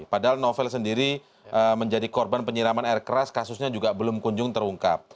padahal novel sendiri menjadi korban penyiraman air keras kasusnya juga belum kunjung terungkap